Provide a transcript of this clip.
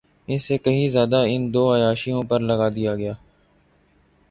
اس سے کہیں زیادہ ان دو عیاشیوں پہ لگا دیا گیا۔